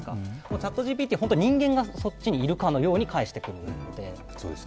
ＣｈａｔＧＰＴは人間がそっちにいるかのように返してくれるので「